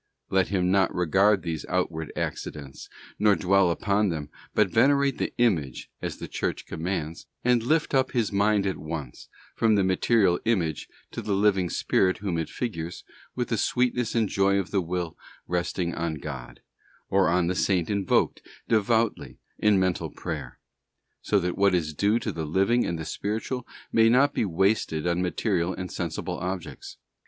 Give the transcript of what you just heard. Let him not regard these outward accidents, nor dwell upon them, but venerate the image, as the Church commands, and lift up his mind at once from the material image to the living spirit whom it figures, with the sweetness and joy of the will resting on God, or on the Saint invoked, devoutly, in mental prayer; so that what is due to the living and the spiritual may not be wasted on material and sensible objects.